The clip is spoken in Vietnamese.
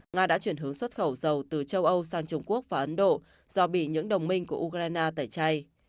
nga đã chuyển hướng xuất khẩu dầu từ châu âu sang trung quốc và ấn độ do bị những đồng minh của ukraine tẩy chay